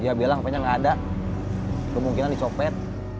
dia bilang kayaknya gak ada kemungkinan dicopet